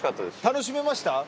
楽しめました？